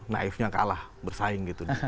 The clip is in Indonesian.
naifnya kalah bersaing gitu